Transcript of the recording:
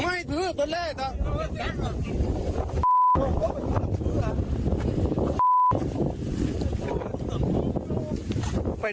ไม่ด้วยตัวลี่น